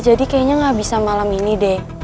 jadi kayaknya gak bisa malam ini deh